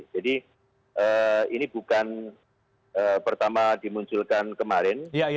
jadi ini bukan pertama dimunculkan kemarin